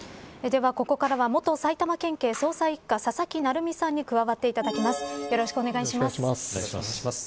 ではここからは、元埼玉県警捜査一課佐々木成三さんに加わっていただきます。